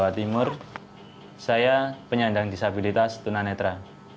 jawa timur saya penyandang disabilitas tunanetra